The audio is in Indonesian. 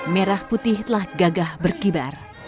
merah putih telah gagah berkibar